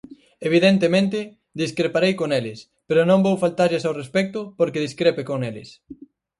Evidentemente, discreparei con eles, pero non vou faltarlles ao respecto porque discrepe con eles.